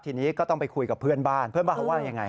ทีนี้ก็ต้องไปคุยกับเพื่อนบ้านเพื่อนบ้านเขาว่ายังไง